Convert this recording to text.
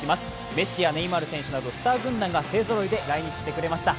メッシやネイマール選手などスター軍団が勢ぞろいで来日してくれました。